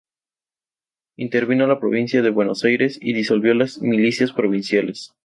Intervino la provincia de Buenos Aires y disolvió las milicias provinciales.